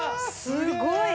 すごい！